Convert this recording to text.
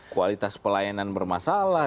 kualitas pelayanan bermasalah